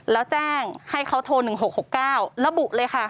แล้วแจ้งให้เขาโทร๑๖๖๙ระบุเลยค่ะ